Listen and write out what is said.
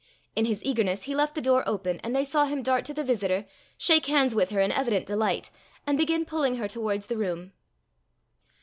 In his eagerness he left the door open, and they saw him dart to the visitor, shake hands with her in evident delight, and begin pulling her towards the room.